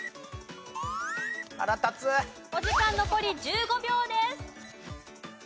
腹立つ！お時間残り１５秒です。